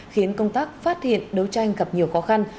khiến công tác phát hiện đấu tranh gặp nhiều khó khăn